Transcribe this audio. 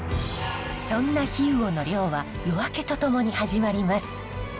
そんな氷魚の漁は夜明けとともに始まります。